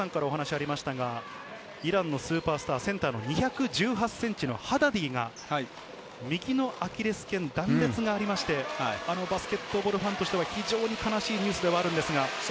イランのスーパースター、センターの２１８ｃｍのハダディが、右のアキレス腱断裂がありまして、バスケットボールファンとしては非常に悲しいニュースではあるんですが。